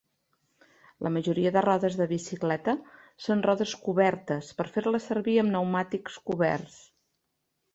La majoria de rodes de bicicleta són rodes "cobertes" per fer-les servir amb pneumàtics coberts.